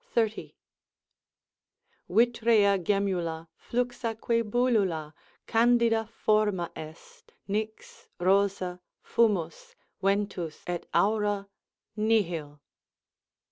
Vitrea gemmula, fluxaque bullula, candida forma est, Nix, rosa, fumus, ventus et aura, nihil.